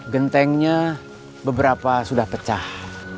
gentengnya beberapa sudah pecah